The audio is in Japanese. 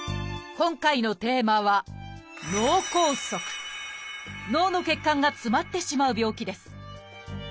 今回のテーマは脳の血管が詰まってしまう病気です。